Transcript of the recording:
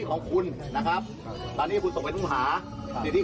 โอ้โฮนี่